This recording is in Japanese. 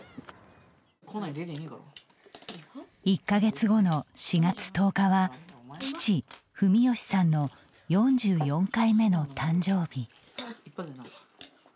１か月後の４月１０日は父・文禎さんの４４回目の誕生日。